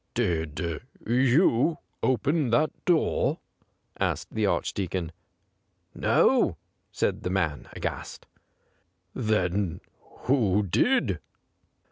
' Did you open that door }' asked the Archdeacon. ' No/ said the man, aghast. ' Then who did